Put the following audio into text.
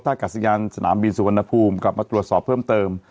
ถ้ากัศยานสนามบินสุวรรณภูมิกลับมาตรวจสอบเพิ่มเติม